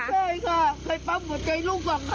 ใช่ค่ะเคยปั๊บหัวใจลูก๒ครั้ง